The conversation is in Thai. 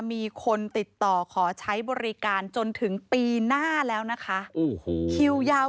มีคนติดต่อขอใช้บริการจนถึงปีหน้าแล้วนะคะโอ้โหคิวยาว